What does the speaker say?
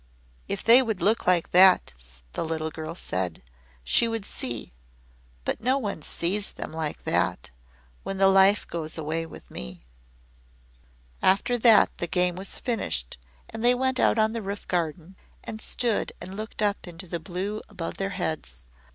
"If they would look like that," the little girl said, "she would see. But no one sees them like that when the Life goes away with me." After that the game was finished and they went out on the roof garden and stood and looked up into the blue above their heads.